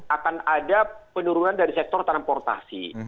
akan ada penurunan dari sektor transportasi